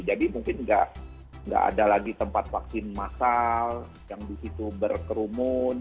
jadi mungkin tidak ada lagi tempat vaksin masal yang di situ berkerumun